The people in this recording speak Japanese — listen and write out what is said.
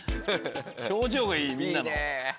表情がいいみんなの。